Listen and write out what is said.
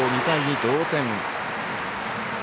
２対２、同点。